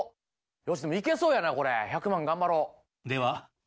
よしでもいけそうやなこれ１００万頑張ろう。